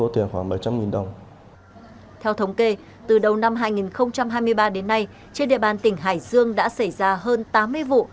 theo thống kê từ đầu năm hai nghìn hai mươi ba đến nay trên địa bàn tỉnh hải dương đã xảy ra hơn tám mươi vụ